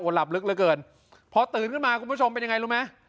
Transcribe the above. หลับลึกเหลือเกินพอตื่นขึ้นมาคุณผู้ชมเป็นยังไงรู้ไหม